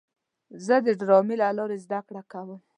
زه د ډرامې له لارې زده کړه کوم.